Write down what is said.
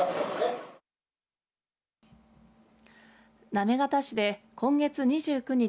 行方市で今月２９日